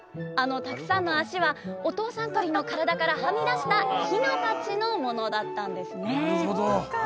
あのたくさんの脚はお父さん鳥の体からはみだしたヒナたちのものだったんですね。